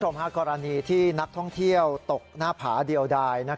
กรณีที่นักท่องเที่ยวตกหน้าผาเดียวดาย